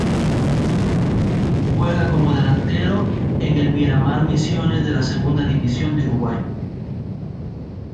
Juega como delantero en el Miramar Misiones de la Segunda División de Uruguay.